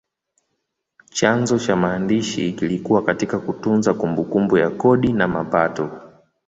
Chanzo cha maandishi kilikuwa katika kutunza kumbukumbu ya kodi na mapato.